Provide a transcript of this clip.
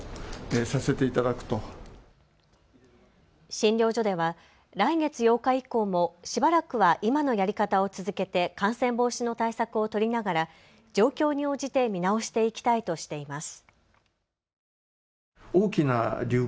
診療所では来月８日以降もしばらくは今のやり方を続けて感染防止の対策を取りながら状況に応じて見直していきたいとしています。